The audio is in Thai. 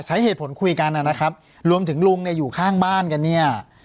ใช้เหตุผลคุยกันนะครับรวมถึงลุงเนี่ยอยู่ข้างบ้านกันเนี่ย